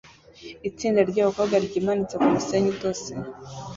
Itsinda ryabakobwa ryimanitse kumusenyi utose